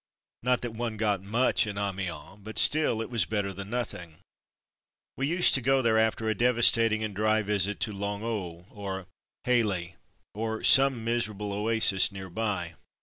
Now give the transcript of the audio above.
Not that one got much in Amiens, but still it was better than nothing. We used to go there after a devastating and dry visit to Longeau or Heilly, or some miserable oasis near by.